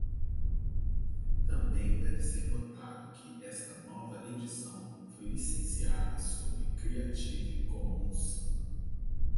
Também deve ser notado que esta nova edição foi licenciada sob Creative Commons.